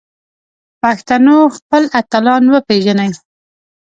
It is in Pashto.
پښتنو خپل اتلان وپیژني